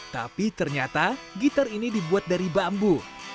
tapi ternyata gitar ini dibuat dari bambu